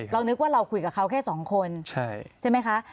นึกว่าเราคุยกับเขาแค่สองคนใช่ไหมคะ